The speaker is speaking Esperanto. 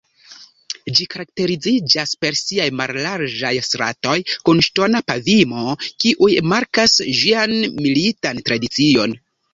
Ĝi karakteriziĝas per siaj mallarĝaj stratoj kun ŝtona pavimo, kiuj markas ĝian militan tradicion.